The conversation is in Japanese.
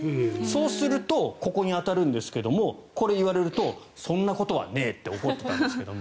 そうするとここに当たるんですけどこれ、言われるとそんなことはねえって怒ってたんですけど。